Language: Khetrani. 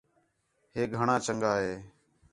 ہے گھݨاں چنڳا ہے